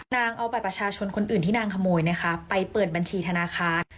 นางเอาบัตรประชาชนคนอื่นที่นางขโมยนะคะไปเปิดบัญชีธนาคาร